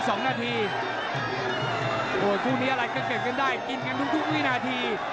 โอ้ยมูทมีเป็นอะไร